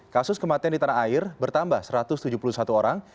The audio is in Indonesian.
kasus kematian di tanah air bertambah satu ratus tujuh puluh satu orang